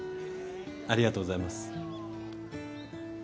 ありがとうございます。